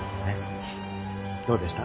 どうでした？